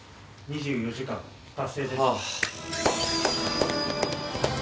２４時間達成です。